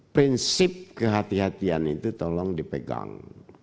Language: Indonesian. prinsip kehatian kehatian itu tolong dipegang